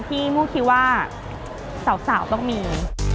มู่คิดว่าสาวต้องมี